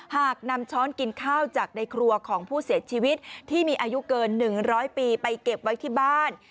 หากนำช้อนกินข้าวจากในครัวของผู้เสียชีวิตที่มีอายุเกิน๑๐๐ปีไปเก็บไว้ที่บ้าน